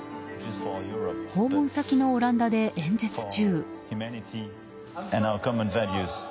訪問先のオランダで演説中。